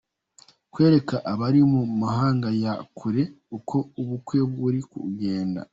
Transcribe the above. Kwereka abari mu mahanga ya kure uko ubukwe buri kugenda.